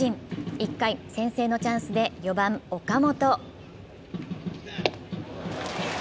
１回、先制のチャンスで４番・岡本。